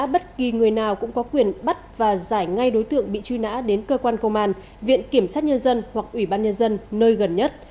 bất kỳ người nào cũng có quyền bắt và giải ngay đối tượng bị truy nã đến cơ quan công an viện kiểm sát nhân dân hoặc ủy ban nhân dân nơi gần nhất